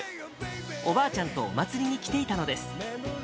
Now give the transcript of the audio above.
おばあちゃんとお祭りに来ていたのです。